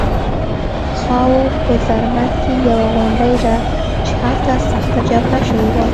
خاوو په زرمت کې یوه غونډۍ ده چې هلته سخته جګړه شوې وه